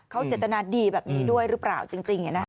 เขาเจตนาดีแบบนี้ด้วยหรือเปล่าจริง